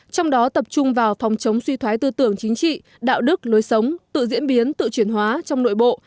trong đó tập trung vào phòng chống suy thoái tư tưởng chính trị đạo đức lối sống tự diễn biến tự chuyển hóa trong nội bộ